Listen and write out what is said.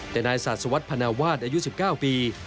แต่นายศาสวัสดิพนาวาสอายุ๑๙ปี